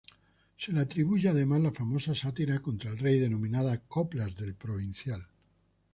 Se le atribuye además la famosa sátira contra el rey denominada "Coplas del provincial".